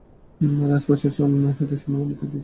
রাজপ্রাসাদ হইতে স্বর্ণমণ্ডিত দুই শিবিকা আসিয়াছে।